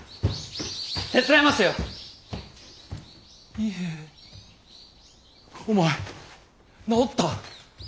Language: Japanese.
伊兵衛お前治った。